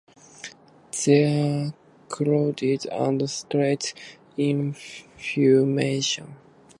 There are crouched and straight inhumations.